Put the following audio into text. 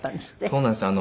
そうなんですよ。